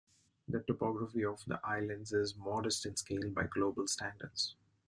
The topography of the islands is modest in scale by global standards.